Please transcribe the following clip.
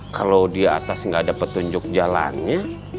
kalau di atas nggak ada petunjuk jalannya